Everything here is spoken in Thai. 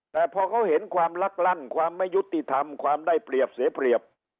แต่พอเขาเห็นความลักลั่นความไม่ยุติธรรมความได้เปรียบเสียเปรียบ